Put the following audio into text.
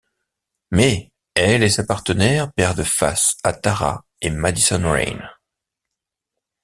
Mais, elle et sa partenaire perdent face à Tara et Madison Rayne.